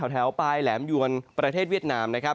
แถวปลายแหลมยวนประเทศเวียดนามนะครับ